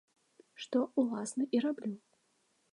Што, уласна, і раблю.